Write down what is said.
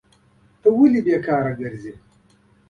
ته ولي بیکاره کرځي؟